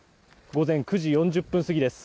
午前９時４０分過ぎです。